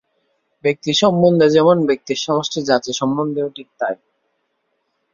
ব্যক্তি সম্বন্ধে যেমন, ব্যক্তির সমষ্টি জাতি সম্বন্ধেও ঠিক তাই।